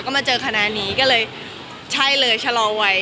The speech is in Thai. ก็มาเจอคณะนี้ก็เลยใช่เลยชะลอวัย